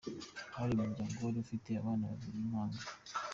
Hari umuryango wari ufite abana babiri b’impanga.